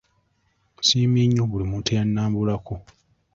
Nsiimye nnyo buli muntu eyannambulako.